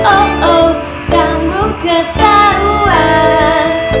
oh oh kamu ketahuan